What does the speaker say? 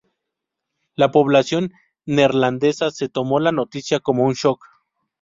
La población neerlandesa se tomó la noticia como un "shock".